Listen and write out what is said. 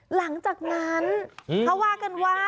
หลังจากนั้นเขาว่ากันว่า